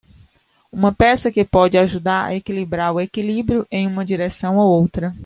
Uma peça que pode ajudar a equilibrar o equilíbrio em uma direção ou outra.